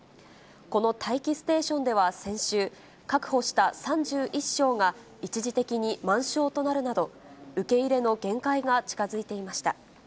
この待機ステーションでは先週、確保した３１床が、一時的に満床となるなど、受け入れの限界が近づいていました。